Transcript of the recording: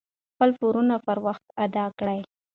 خپل پورونه پر وخت ادا کړئ.